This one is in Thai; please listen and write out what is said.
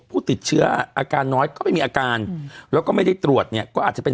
ผู้ติดเชื้ออาการน้อยก็ไม่มีอาการแล้วก็ไม่ได้ตรวจเนี่ยก็อาจจะเป็น